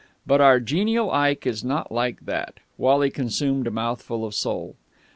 But our genial Ike is not like that." Wally consumed a mouthful of sole.